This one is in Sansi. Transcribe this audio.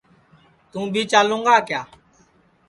توں بی چالوں گا کیا